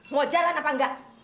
mau jalan apa enggak